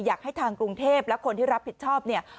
อยากให้ทางกรุงเทพและคนที่รับผิดชอบเนี่ย